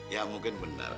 ya mungkin benar